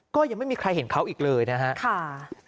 ก็ยังไม่มีใครเห็นเขาอีกเลยนะครับ